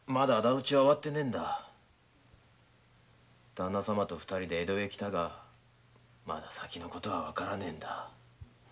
旦那様と２人で江戸へ来たがまだ先の事は分からねえんだ。